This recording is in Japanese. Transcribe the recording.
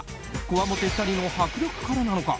こわもて２人の迫力からなのか